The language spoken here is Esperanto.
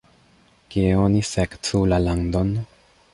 Kie oni sekcu la landon?